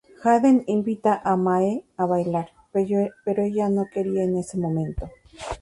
Jaden invita a Mae a bailar, pero ella no quería en ese momento.